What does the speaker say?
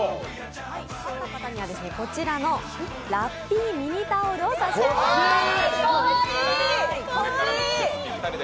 勝った方にはこちらのラッピーミニタオルを差し上げます。